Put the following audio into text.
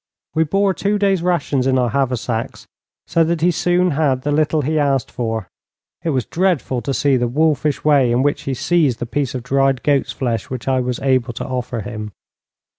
We bore two days' rations in our haversacks, so that he soon had the little he asked for. It was dreadful to see the wolfish way in which he seized the piece of dried goat's flesh which I was able to offer him.